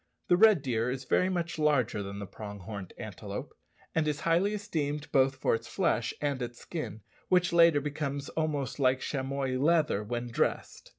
The red deer is very much larger than the prong horned antelope, and is highly esteemed both for its flesh and its skin, which latter becomes almost like chamois leather when dressed.